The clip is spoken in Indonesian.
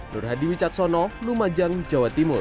nur hadi wicaksono lumajang jawa timur